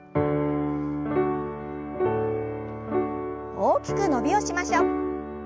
大きく伸びをしましょう。